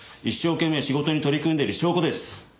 一生懸命仕事に取り組んでいる証拠です。